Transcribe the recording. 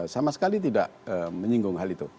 sama sekali tidak menyinggung hal itu